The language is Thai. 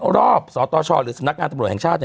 รอบสตร์ท่อชอหรือสำนักงานตำรวจแห่งชาติ